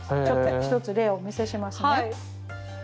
ちょっと一つ例をお見せしますね。